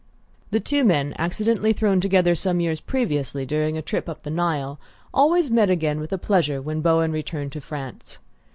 The two men, accidentally thrown together some years previously during a trip up the Nile, always met again with pleasure when Bowen returned to France.